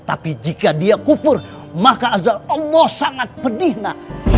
tapi jika dia kufur maka azal allah sangat pedihna